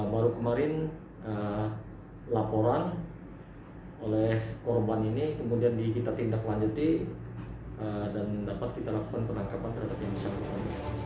baru kemarin laporan oleh korban ini kemudian kita tindak lanjuti dan dapat kita lakukan penangkapan terhadap yang bersangkutan